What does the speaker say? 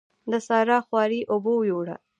د سارا خواري اوبو يوړه.